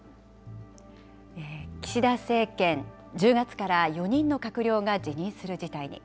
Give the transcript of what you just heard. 岸田政権、１０月から４人の閣僚が辞任する事態に。